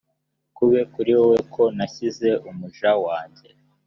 kube kuri wowe ko nashyize umuja wanjye